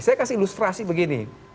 saya kasih ilustrasi begini